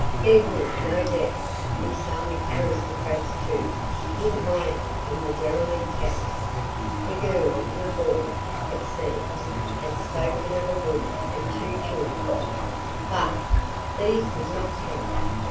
There would, no doubt, be some aristocrats, too, in hiding in the derelict house the girl Lebeau, it seems, had spoken of a woman and two children. Bah! These would not count.